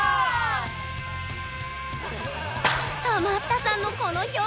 ハマったさんのこの表情